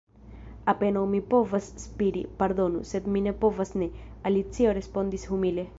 "Apenaŭ mi povas spiri." "Pardonu, sed mi ne povas ne," Alicio respondis humile.